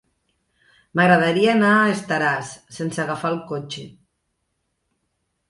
M'agradaria anar a Estaràs sense agafar el cotxe.